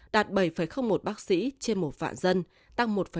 đạt bảy một bác sĩ trên một vạn dân